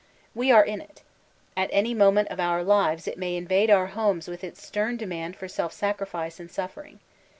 We are in it ; at any moment of our lives it may invade our own homes with its stem demand for self sacrifice and suf fering.